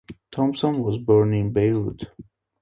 Thomson was born in Beirut.